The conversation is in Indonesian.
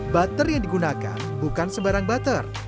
butter yang digunakan bukan sembarang butter